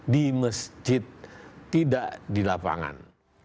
di masjid tidak di lapangan